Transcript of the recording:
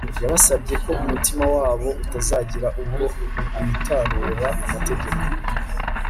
yabasabye ko umutima wabo utazagira ubwo witarura amategeko